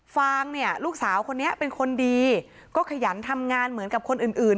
ฟางเนี่ยลูกสาวคนนี้เป็นคนดีก็ขยันทำงานเหมือนกับคนอื่นอื่น